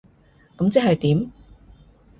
噉即係點？